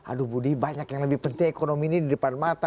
aduh budi banyak yang lebih penting ekonomi ini di depan mata